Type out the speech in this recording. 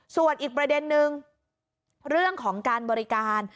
ส่วนอีกประเด็นนึงเรื่องของการบริการ